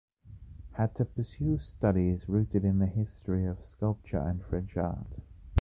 Had to pursue studies rooted in the history of sculpture and French art.